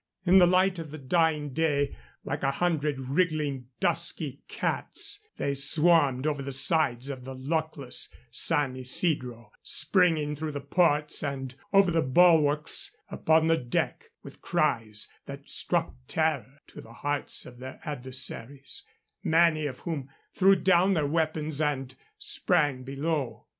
In the light of the dying day, like a hundred wriggling, dusky cats, they swarmed over the sides of the luckless San Isidro, springing through the ports and over the bulwarks upon the deck with cries that struck terror to the hearts of their adversaries, many of whom threw down their weapons and sprang below.